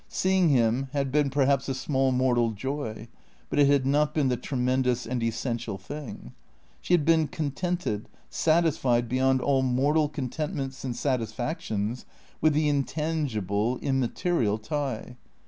Seeing him had been perhaps a small mortal joy; but it had not been the tremendous and essential thing. She had been contented, satisfied beyond all mortal contentments and satisfactions, with the intangible, immaterial tie.